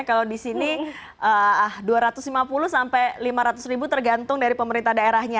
kalau di sini dua ratus lima puluh sampai lima ratus ribu tergantung dari pemerintah daerahnya